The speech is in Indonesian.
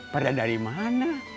pada dari mana